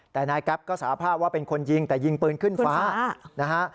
แต่นายแก๊ปก็สาภาพว่าเป็นคนยิงแต่ยิงปืนขึ้นฟ้านะฮะ